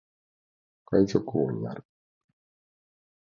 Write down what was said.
海賊王になる